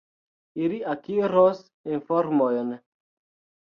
Ili akiros informojn.